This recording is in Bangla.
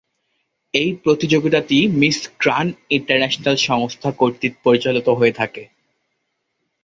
এ প্রতিযোগিতাটি মিস গ্র্যান্ড ইন্টারন্যাশনাল সংস্থা কর্তৃক পরিচালিত হয়ে থাকে।